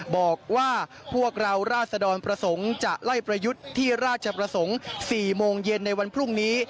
บอกว่าพวกเราราศดรประสงค์จะไล่ประยุทธ์ที่ราชประสงค์๔โมงเย็นในวันพรุ่งนี้